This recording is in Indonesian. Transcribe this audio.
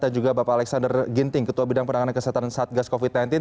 dan juga bapak alexander ginting ketua bidang penanganan kesehatan saat gas covid sembilan belas